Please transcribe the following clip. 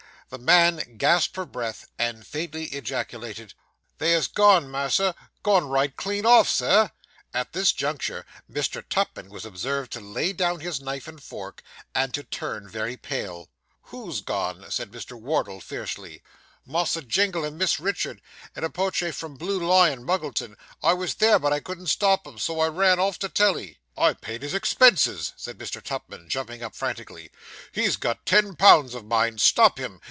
The man gasped for breath, and faintly ejaculated 'They ha' gone, mas'r! gone right clean off, Sir!' (At this juncture Mr. Tupman was observed to lay down his knife and fork, and to turn very pale.) 'Who's gone?' said Mr. Wardle fiercely. 'Mus'r Jingle and Miss Rachael, in a po' chay, from Blue Lion, Muggleton. I was there; but I couldn't stop 'em; so I run off to tell 'ee.' 'I paid his expenses!' said Mr. Tupman, jumping up frantically. 'He's got ten pounds of mine! stop him!